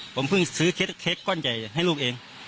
ผมเพิ่งซื้อเค้กก้อนใหญ่ให้ลูกเอง